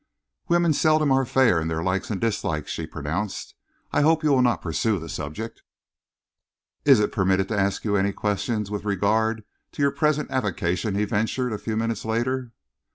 "Women seldom are fair in their likes and dislikes," she pronounced. "I hope you will not pursue the subject." "Is it permitted to ask you any questions with regard to your present avocation?" he ventured, a few minutes later.